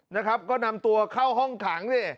นะครับก็นำตัวเข้าห้องขังดิ